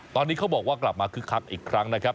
ตอนนี้เขาบอกว่ากลับมาคึกคักอีกครั้งนะครับ